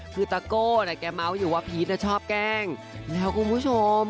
คือตะโกน่ะแกเม้าอยู่ว่าพีชน่ะชอบแกล้งแล้วคุณผู้ชม